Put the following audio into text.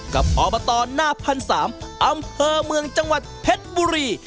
อบตหน้าพันสามอำเภอเมืองจังหวัดเพชรบุรี